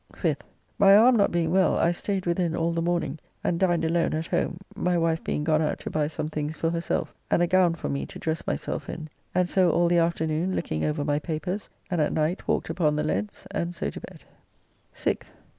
5th. My arme not being well, I staid within all the morning, and dined alone at home, my wife being gone out to buy some things for herself, and a gown for me to dress myself in. And so all the afternoon looking over my papers, and at night walked upon the leads, and so to bed. 6th.